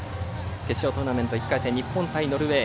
決勝トーナメント１回戦日本対ノルウェー。